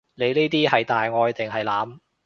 你呢啲係大愛定係濫？